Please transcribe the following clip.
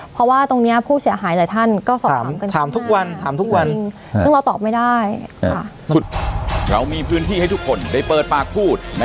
เพราะว่าตรงนี้ผู้เสียหายแต่ท่านก็สอบถามกันทุกวัน